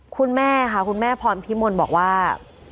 ก็เป็นสถานที่ตั้งมาเพลงกุศลศพให้กับน้องหยอดนะคะ